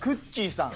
さん。